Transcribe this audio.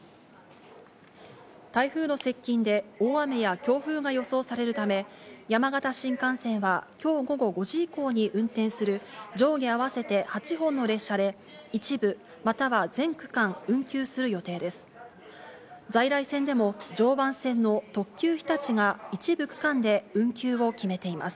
台風の接近で大雨や強風が予想されるため、山形新幹線は今日午後５時以降に運転する上下合わせて８本の列車で一部、または全区間、運休する予定です。